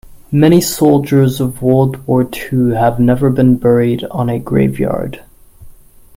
Many soldiers of world war two have never been buried on a grave yard.